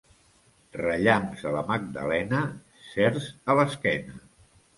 Rellamps a la Magdalena, cerç a l'esquena.